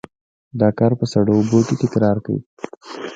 دا کار په سړو اوبو کې تکرار کړئ.